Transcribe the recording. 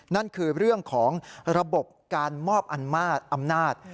นั่นคือเรื่องของระบบการมอบอำนาจอำนาจ